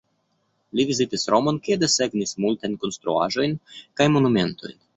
Li vizitis Romon, kie desegnis multajn konstruaĵojn kaj monumentojn.